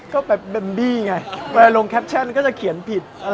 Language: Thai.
เราว่าถ้าลงแคปเซ็นท์เขียนผิด